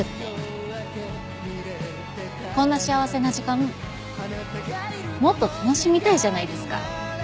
こんな幸せな時間もっと楽しみたいじゃないですか。